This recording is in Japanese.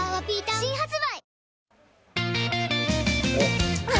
新発売